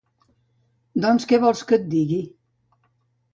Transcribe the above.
Doncs què vols que et digui...